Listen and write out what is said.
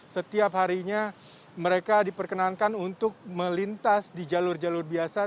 setiap harinya mereka diperkenankan untuk melintas di jalur jalur biasa